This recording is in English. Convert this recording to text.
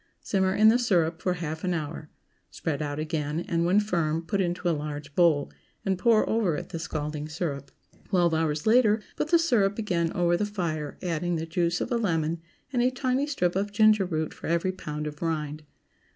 Simmer in the syrup for half an hour; spread out again, and, when firm, put into a large bowl, and pour over it the scalding syrup. Twelve hours later put the syrup again over the fire, adding the juice of a lemon and a tiny strip of ginger root for every pound of rind.